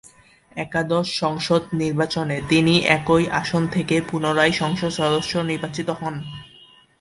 একাদশ সংসদ নির্বাচনে তিনি একই আসন থেকে পুনঃরায় সংসদ সদস্য নির্বাচিত হন।